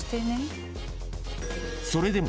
［それでも］